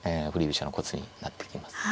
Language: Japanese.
飛車のコツになってきます。